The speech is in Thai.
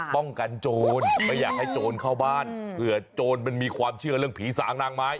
ป้องกันโจรไม่อยากให้โจรเข้าบ้านเผื่อโจรมันมีความเชื่อเรื่องผีสางนางไม้